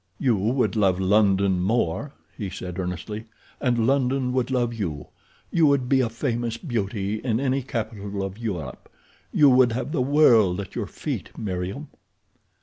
"You would love London more," he said earnestly. "And London would love you. You would be a famous beauty in any capital of Europe. You would have the world at your feet, Meriem."